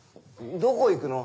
どこ行くの？